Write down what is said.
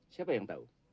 siapa yang tahu